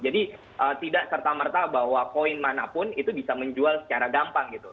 jadi tidak serta merta bahwa koin manapun itu bisa menjual secara gampang gitu